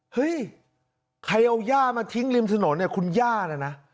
เฮ้ยใครเอาย่ามาทิ้งริมถนนเนี่ยคุณย่านะนะ